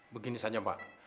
begini saja mbak